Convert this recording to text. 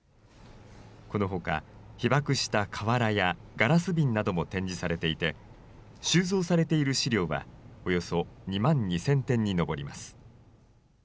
このほか、被爆した瓦やガラス瓶なども展示されていて、収蔵されている資料はおよそ２万２０００点に上ります。